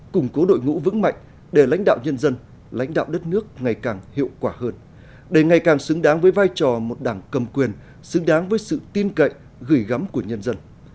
củng cố đội ngũ vững mạnh để lãnh đạo nhân dân lãnh đạo đất nước ngày càng hiệu quả hơn để ngày càng xứng đáng với vai trò một đảng cầm quyền xứng đáng với sự tin cậy gửi gắm của nhân dân